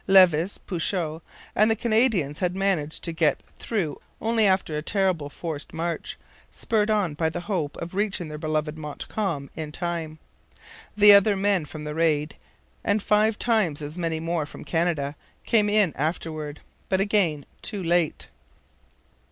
Levis, Pouchot, and the Canadians had managed to get through only after a terrible forced march, spurred on by the hope of reaching their beloved Montcalm in time. The other men from the raid, and five times as many more from Canada, came in afterwards. But again too late.